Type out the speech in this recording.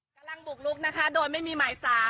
กำลังบุกลุกนะคะโดยไม่มีหมายสาร